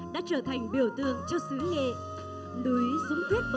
họ trở thành một tập thể anh hùng